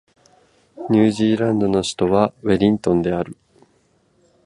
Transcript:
ニュージーランドの首都はウェリントンである